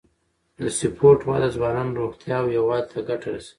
د سپورت وده د ځوانانو روغتیا او یووالي ته ګټه رسوي.